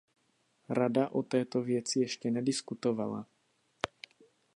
Rada o této věci ještě nediskutovala.